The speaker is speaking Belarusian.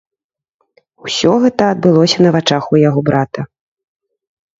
Усё гэта адбылося на вачах у яго брата.